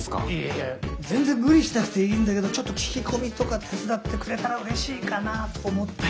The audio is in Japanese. いや全然無理しなくていいんだけどちょっと聞き込みとか手伝ってくれたらうれしいかなと思ったり。